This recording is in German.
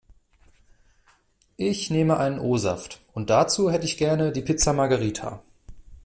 Ich nehme einen O-Saft und dazu hätte ich gerne die Pizza Margherita.